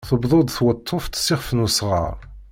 Tewweḍ tweṭṭuft s ixef n usɣaṛ.